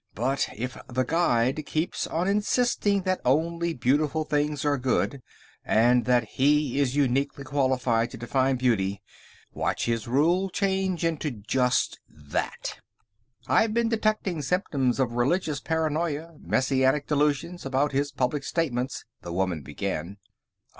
But if The Guide keeps on insisting that only beautiful things are good and that he is uniquely qualified to define beauty, watch his rule change into just that." "I've been detecting symptoms of religious paranoia, messianic delusions, about his public statements...." the woman began.